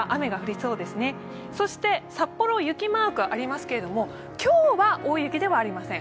そして札幌、雪マークありますけれども、今日は大雪ではありません。